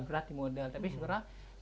berat di modal tapi sebenarnya